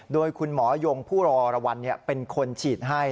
โดยคุณหมอยงผู้รอรางวัลเป็นคนฉีดให้